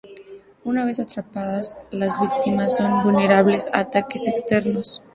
Una vez atrapadas, las víctimas son vulnerables a ataques externos.